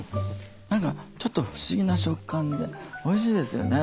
何かちょっと不思議な食感でおいしいですよね。